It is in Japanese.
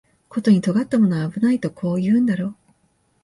ことに尖ったものは危ないとこう言うんだろう